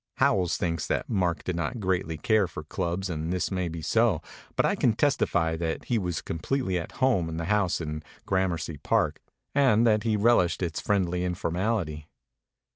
(Howells thinks that Mark did not greatly care for clubs and this may be so, but I can testify that he was completely at home in the house in Gramercy Park and that he relished its friendly informality.)